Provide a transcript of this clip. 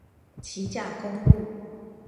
旗甲公路